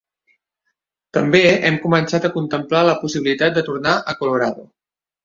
També hem començat a contemplar la possibilitat de tornar a Colorado.